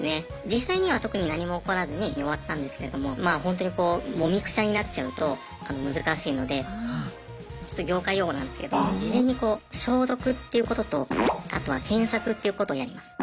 実際には特に何も起こらずに終わったんですけれどもまあホントにこうもみくちゃになっちゃうと難しいのでちょっと業界用語なんですけど事前にこう消毒っていうこととあとは検索っていうことをやります。